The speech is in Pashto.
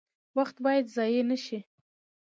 وخت باید ضایع نشي